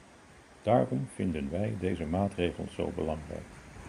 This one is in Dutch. Daarom vinden wij deze maatregel zo belangrijk.